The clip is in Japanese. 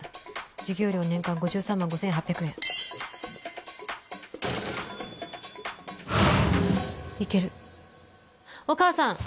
授業料年間５３万５８００円いけるお母さん！